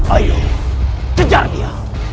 ayo kejar dia